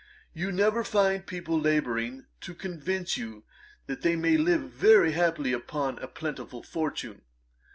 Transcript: You never find people labouring to convince you that you may live very happily upon a plentiful fortune.